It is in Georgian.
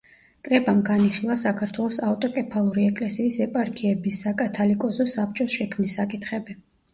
კრებამ განიხილა საქართველოს ავტოკეფალური ეკლესიის ეპარქიების, საკათალიკოზო საბჭოს შექმნის საკითხები.